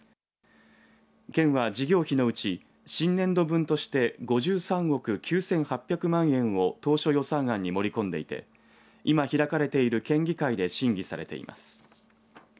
県は、事業費のうち新年度分として５３億９８００万円を当初予算に盛り込んでいて今、開かれている県議会で審議されています。